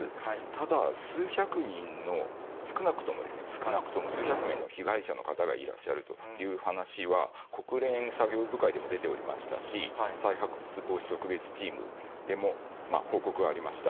ただ、数百人の少なくともですね、少なくとも数百人の被害者の方がいらっしゃるという話は、国連作業部会でも出ておりましたし、再発防止特別チームでも報告がありました。